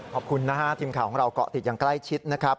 ขอบคุณนะฮะทีมข่าวของเราเกาะติดอย่างใกล้ชิดนะครับ